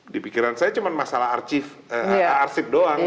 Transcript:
di pikiran saya cuma masalah arsip doang